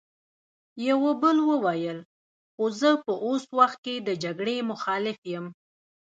يوه بل وويل: خو زه په اوس وخت کې د جګړې مخالف يم!